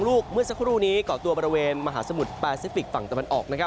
๒ลูกเมื่อสักครู่นี้ก่อตัวบริเวณมหาสมุดปาซิฟิกฝั่งตะวันออก